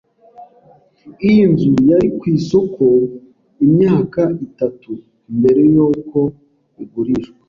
Iyi nzu yari ku isoko imyaka itatu mbere yuko igurishwa.